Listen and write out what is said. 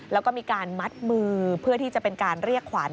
แล้วก็มีการมัดมือเพื่อที่จะเป็นการเรียกขวัญ